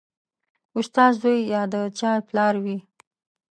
استاد زوی یا د چا پلار وي